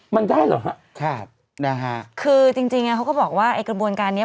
มันได้เหรอฮะครับนะฮะคือจริงจริงอ่ะเขาก็บอกว่าไอ้กระบวนการเนี้ย